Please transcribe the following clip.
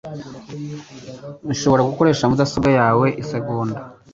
Nshobora gukoresha mudasobwa yawe isegonda?